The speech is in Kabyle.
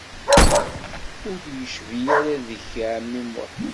Ur d-yecbi ara deg-k ɛemmi Muḥ.